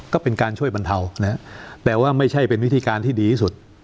ก็เป็นการช่วยบรรเทานะฮะแต่ว่าไม่ใช่เป็นวิธีการที่ดีที่สุด